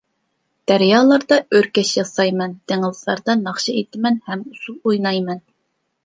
دەريالاردا ئۆركەش ياسايمەن، دېڭىزلاردا ناخشا ئېيتىمەن ھەم ئۇسسۇل ئوينايمەن.